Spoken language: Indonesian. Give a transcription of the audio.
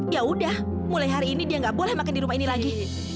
ya udah mulai hari ini dia nggak boleh makan di rumah ini lagi